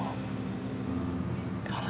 aku sudah cauk